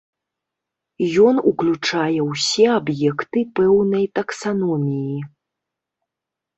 Ён уключае ўсе аб'екты пэўнай таксаноміі.